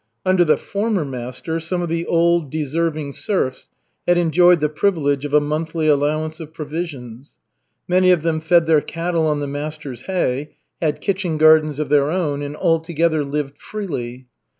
Under the former master some of the old, deserving serfs had enjoyed the privilege of a monthly allowance of provisions. Many of them fed their cattle on the master's hay, had kitchen gardens of their own, and altogether lived "freely."